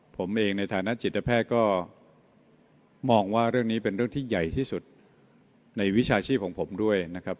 ผมเองในฐานะจิตแพทย์ก็มองว่าเรื่องนี้เป็นเรื่องที่ใหญ่ที่สุดในวิชาชีพของผมด้วยนะครับ